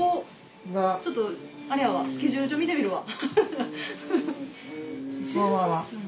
ちょっとあれやわスケジュール帳見てみるわ。